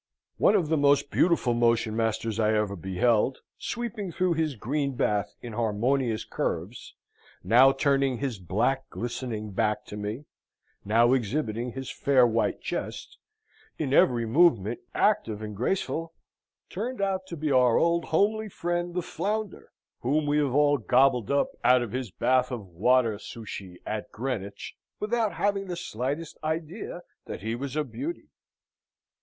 One of the most beautiful motion masters I ever beheld, sweeping through his green bath in harmonious curves, now turning his black glistening back to me, now exhibiting his fair white chest, in every movement active and graceful, turned out to be our old homely friend the flounder, whom we have all gobbled up out of his bath of water souchy at Greenwich, without having the slightest idea that he was a beauty.